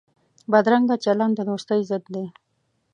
بدرنګه چلند د دوستۍ ضد دی